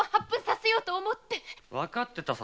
分かってたさ